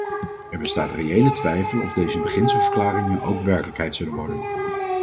Er bestaat reële twijfel of deze beginselverklaringen ook werkelijkheid zullen worden.